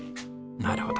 なるほど。